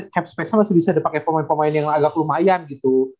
capspace nya masih bisa dipake pemain pemain yang agak lumayan gitu